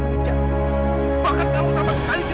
bahwa kamu sama sekali tidak mau menunggu iksan